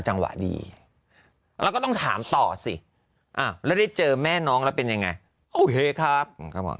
ดีแล้วก็ต้องถามต่อสิแล้วได้เจอแม่น้องแล้วเป็นยังไงโอเคครับผม